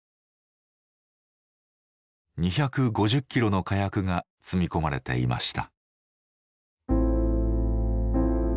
２５０キロの火薬が積み込まれていました。